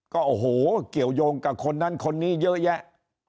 ก็โอ้โหเกี่ยวยงกับคนนั้นคนนี้เยอะแยะ